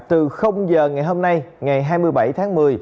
từ giờ ngày hôm nay ngày hai mươi bảy tháng một mươi